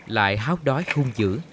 lại háo đói khôn dữ